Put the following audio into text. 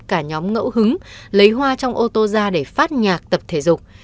cả nhóm ngẫu hứng lấy hoa trong ô tô ra để phát nhạc tập thể dục